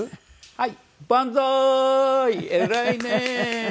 はい。